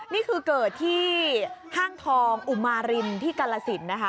นี่คือเกิดที่ห้างทองอุมารินที่กรสินนะคะ